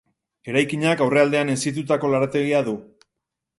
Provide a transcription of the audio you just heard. Eraikinak aurrealdean hesitutako lorategia du.